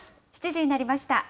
７時になりました。